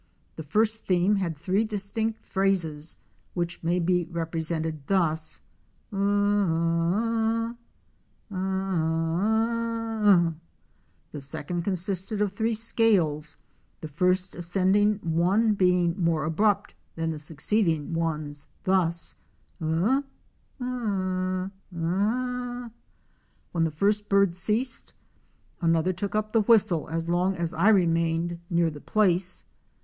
The first theme had three distinct phrases which may be repre sented thus: a 7 »\ The second consisted of three scales, the first ascending one being more abrupt than the succeeding ones, thus: S\N 7 When the first bird ceased, another took up the whistle as long as I remained near the place.